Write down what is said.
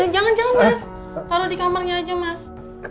jangan jangan mas taruh di kamarnya aja mas